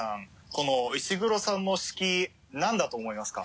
この石黒さんの式何だと思いますか？